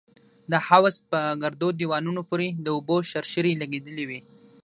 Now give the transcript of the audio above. د حوض په ګردو دېوالونو پورې د اوبو شرشرې لگېدلې وې.